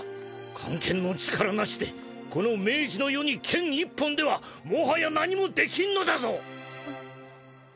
官憲の力なしでこの明治の世に剣一本ではもはや何もできんのだぞ！